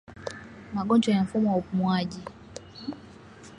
Magonjwa ya mfumo wa upumuaji